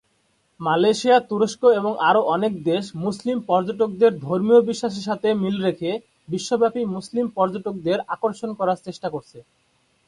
Malaysia, তুরস্ক এবং আরও অনেক দেশ মুসলিম পর্যটকদের ধর্মীয় বিশ্বাসের সাথে মিল রেখে বিশ্বব্যাপী মুসলিম পর্যটকদের আকর্ষণ করার চেষ্টা করছে।